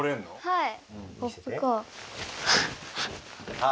はい。